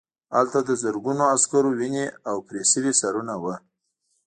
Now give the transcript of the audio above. هلته د زرګونو عسکرو وینې او پرې شوي سرونه وو